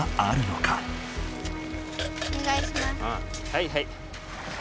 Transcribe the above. はいはい。